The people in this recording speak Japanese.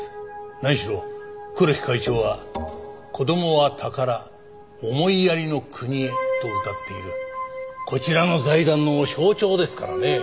何しろ黒木会長は「子供は宝思いやりの国へ」とうたっているこちらの財団の象徴ですからね。